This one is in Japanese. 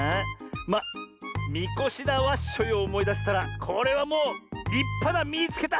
まあみこしだワッショイをおもいだせたらこれはもうりっぱな「みいつけた！」